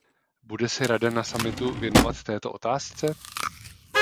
Bude se Rada na summitu věnovat této otázce?